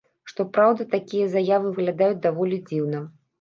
Што праўда, такія заявы выглядаюць даволі дзіўна.